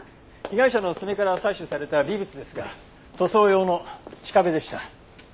被害者の爪から採取された微物ですが塗装用の土壁でした。